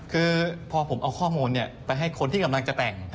คือพอผมเอาข้อมูลไปให้คนที่กำลังจะแต่ง